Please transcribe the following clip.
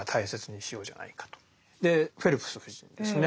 でフェルプス夫人ですね